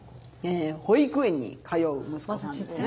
保育園に通う息子さんですね。